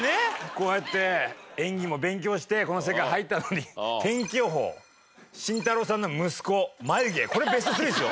こうやって演技も勉強してこの世界入ったのに天気予報慎太郎さんの息子マユ毛これベストスリーですよ。